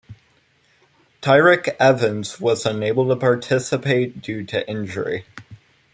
Tyreke Evans was unable to participate due to injury.